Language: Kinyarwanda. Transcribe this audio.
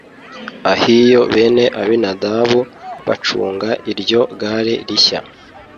ahiyo bene abinadabu bacunga iryo gare rishya